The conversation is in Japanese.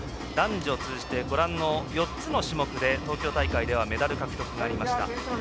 男女通じて、４つの種目で東京大会ではメダル獲得がありました。